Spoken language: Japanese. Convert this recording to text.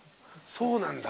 そうなんだ。